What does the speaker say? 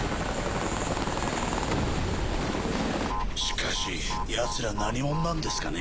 しかし奴ら何者なんですかね？